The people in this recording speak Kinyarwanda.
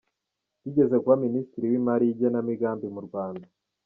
Yigeze kuba Minisitiri w’Imari n’Igenamigambi mu Rwanda.